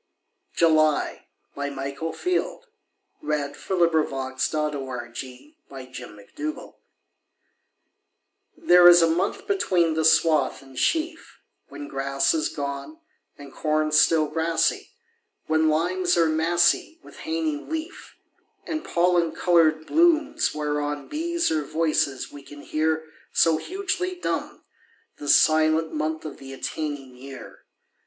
times call Upon our love, and the long echoes fall. Michael Field July THERE is a month between the swath and sheaf When grass is gone And corn still grassy; When limes are massy With hanging leaf, And pollen coloured blooms whereon Bees are voices we can hear, So hugely dumb This silent month of the attaining year.